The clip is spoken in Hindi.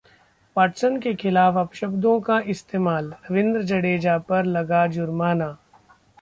वाटसन के खिलाफ अपशब्दों का इस्तेमाल, रवींद्र जडेजा पर लगा जुर्माना